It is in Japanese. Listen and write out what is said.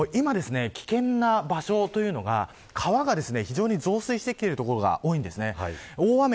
今、危険な場所というのが川が非常に増水してきている所が多いんです。